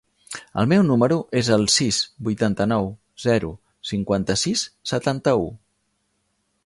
El meu número es el sis, vuitanta-nou, zero, cinquanta-sis, setanta-u.